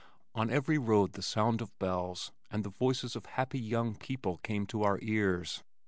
On every road the sound of bells and the voices of happy young people came to our ears.